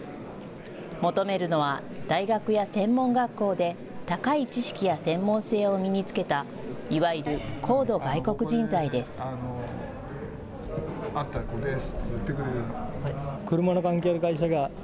求めるのは大学や専門学校で高い知識や専門性を身につけた、いわゆる高度外国人材です。